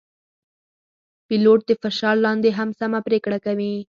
پیلوټ د فشار لاندې هم سمه پرېکړه کوي.